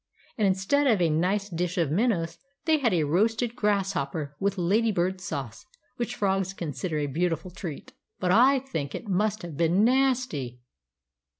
And instead of a nice dish of minnows they had a roasted grasshopper with lady bird sauce; which frogs consider a beautiful treat; but I think it must have been nasty!